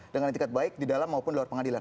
dengan etikat baik di dalam maupun di luar pengadilan